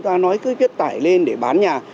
ta nói cứ chất tải lên để bán nhà